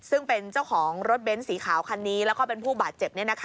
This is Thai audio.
ซึ่งเป็นเจ้าของรถเบ้นสีขาวคันนี้แล้วก็เป็นผู้บาดเจ็บ